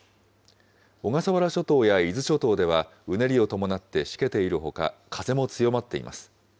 小笠原諸島や伊豆諸島では、うねりを伴ってしけているほか、風も強まっています。